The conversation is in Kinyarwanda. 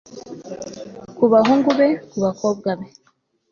Ku bahungu be ku bakobwa be